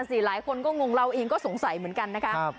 หลายคนก็งงเราเองก็สงสัยเหมือนกันนะคะ